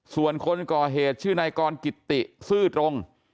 ส่วนคนก่อเหตุชื่อนายกรกิตติซื่อตรง